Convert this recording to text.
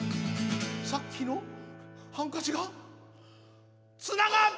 さっきのハンカチがつながって出てきた！